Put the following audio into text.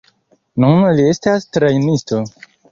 Nun li estas trejnisto.